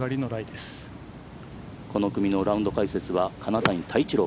この組のラウンド解説は金谷多一郎